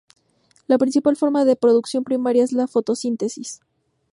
La principal forma de producción primaria es la fotosíntesis.